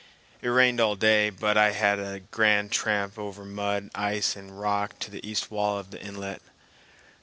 It rained all day, but I had a grand tramp over mud, ice, and rock to the east wall of the inlet.